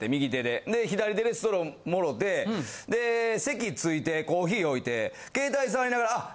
で左手でストローもろて席ついてコーヒー置いて携帯触りながらあっ